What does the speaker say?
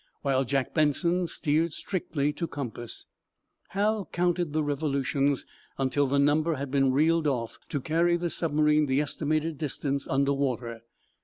While Jack Benson steered strictly to compass, Hal counted the revolutions until the number had been reeled off to carry the submarine the estimated distance under water.